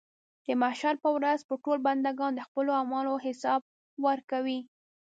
د محشر په ورځ به ټول بندګان د خپلو اعمالو حساب ورکوي.